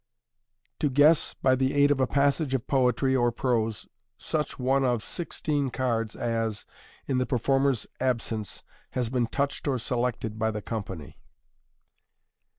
To Guess, by the aid of a Passage of Poetey or Prose, such one of Sixteen Cards as, in the Performer's Absence, has been Touched or Selected by the Company.